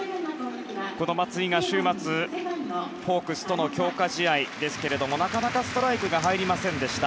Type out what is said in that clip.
松井が週末ホークスとの強化試合ですがなかなかストライクが入りませんでした。